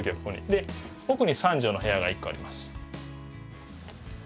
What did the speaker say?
で奥に３畳の部屋が１個あります。